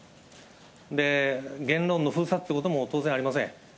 言論の封殺ということも当然ありません。